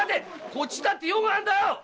こっちも用があるんだよ！